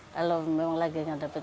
kalau memang lagi nggak dapat